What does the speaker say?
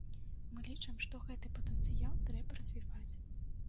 Мы лічым, што гэты патэнцыял трэба развіваць.